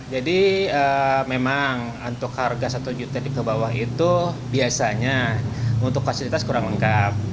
jadi memang untuk harga satu juta di kebawah itu biasanya untuk fasilitas kurang lengkap